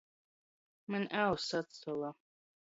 Maņ auss atsola.